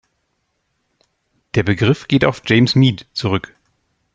Der Begriff geht auf James Meade zurück.